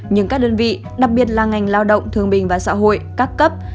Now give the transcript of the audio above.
nhưng các đơn vị đặc biệt là ngành lao động thương bình và xã hội các cấp